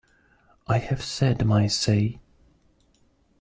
I have said my say.